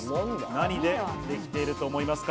何でできていると思いますか？